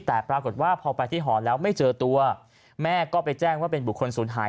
แต่ปรากฏว่าพอไปที่หอแล้วไม่เจอตัวแม่ก็ไปแจ้งว่าเป็นบุคคลศูนย์หาย